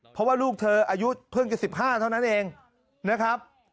เพราะว่าลูกเธออายุเพิ่งจะ๑๕เท่านั้นเองนะครับ